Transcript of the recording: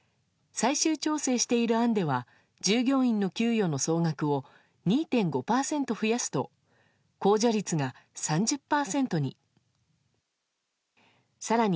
最終調整している案では従業員の給与の総額を２．５％増やすと控除率が３０％に。